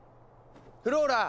フローラ！